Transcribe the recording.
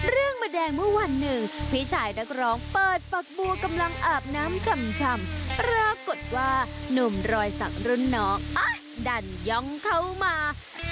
มาแดงเมื่อวันหนึ่งพี่ชายนักร้องเปิดฝักบัวกำลังอาบน้ำชำปรากฏว่านุ่มรอยสักรุ่นน้องอ่ะดันย่องเข้ามา